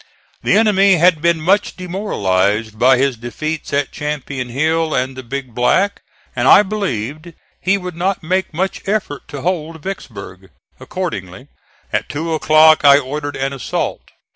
The enemy had been much demoralized by his defeats at Champion's Hill and the Big Black, and I believed he would not make much effort to hold Vicksburg. Accordingly, at two o'clock I ordered an assault.